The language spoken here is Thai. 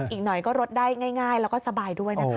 อีกหน่อยก็ลดได้ง่ายแล้วก็สบายด้วยนะคะ